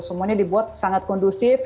semuanya dibuat sangat kondusif